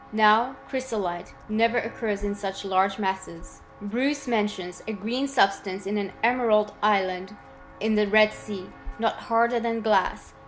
Now chrysolite never occurs in such large masses. Bmce mentions a green substance in an emerald island in the Red Sea, not harder than glass.